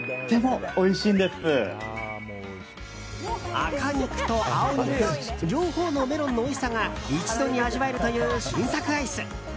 赤肉と青肉両方のメロンのおいしさが一度に味わえるという新作アイス！